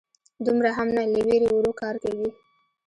_دومره هم نه، له وېرې ورو کار کوي.